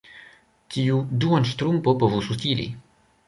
Tiu duonŝtrumpo povus utili.